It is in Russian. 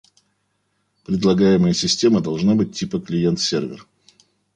Предлагаемая система должна быть типа «Клиент-сервер»